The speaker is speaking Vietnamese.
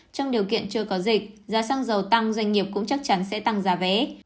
trong điều kiện chưa có dịch giá xăng dầu tăng doanh nghiệp cũng chắc chắn sẽ tăng giá vé